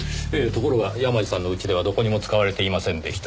ところが山路さんの家ではどこにも使われていませんでした。